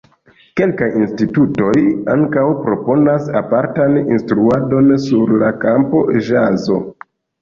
Kelkaj institutoj ankaŭ proponas apartan instruadon sur la kampo ĵazo.